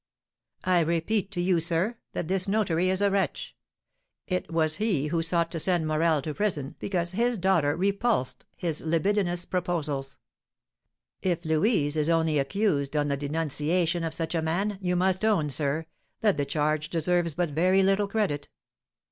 "I repeat to you, sir, that this notary is a wretch. It was he who sought to send Morel to prison because his daughter repulsed his libidinous proposals. If Louise is only accused on the denunciation of such a man, you must own, sir, that the charge deserves but very little credit."